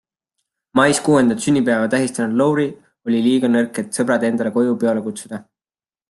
Mais kuuendat sünnipäeva tähistanud Lowery oli liiga nõrk, et sõbrad endale koju peole kutsuda.